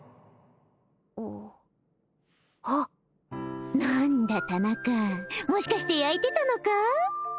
あっ何だ田中もしかしてやいてたのか？